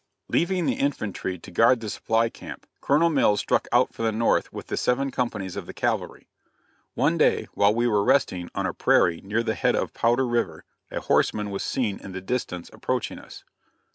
Leaving the infantry to guard the supply camp, Colonel Mills struck out for the north with the seven companies of cavalry. One day while we were resting on a prairie near the head of Powder river, a horseman was seen in the distance approaching us.